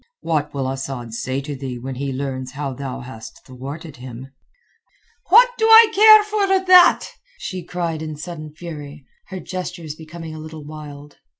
What will Asad say to thee when he learns how thou hast thwarted him?" "What do I care for that?" she cried in sudden fury, her gestures becoming a little wild.